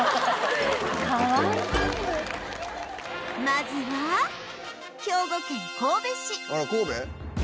まずは兵庫県神戸市あら神戸？